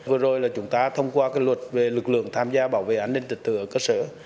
vừa rồi là chúng ta thông qua cái luật về lực lượng tham gia bảo vệ an ninh trật tự ở cơ sở